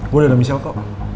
gue udah ada misi aku